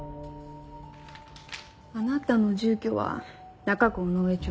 あなたの住居は中区尾上町。